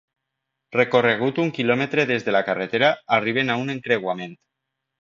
Recorregut un quilòmetre des de la carretera, arribem a un encreuament.